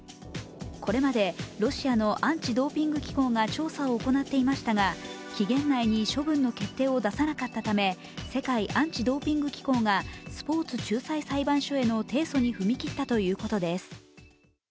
これまでロシアのアンチドーピング機構が調査を行っていましたが期限内に処分の決定を出さなかったため世界アンチドーピング機構がスポーツ仲裁裁判所への提訴に踏み切ったということです。